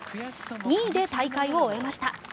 ２位で大会を終えました。